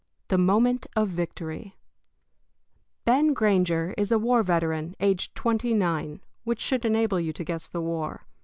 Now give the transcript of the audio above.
THE MOMENT OF VICTORY Ben Granger is a war veteran aged twenty nine which should enable you to guess the war.